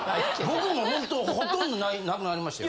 僕もほんとほとんどなくなりましたよ。